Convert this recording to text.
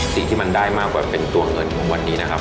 สิ่งที่มันได้มากกว่าเป็นตัวเงินของวันนี้นะครับ